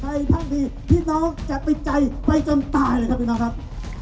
ใครทั้งทีพี่น้องจะไปใจไปจนตายเลยครับพี่น้องครับ